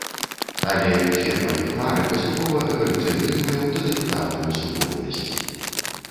Але ферма іх мары паступова эвалюцыяніруе ў таталітарную супольнасць.